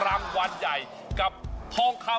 พรุ่งนี้๕สิงหาคมจะเป็นของใคร